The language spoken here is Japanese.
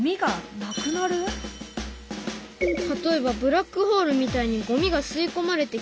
例えばブラックホールみたいにゴミが吸い込まれて消える！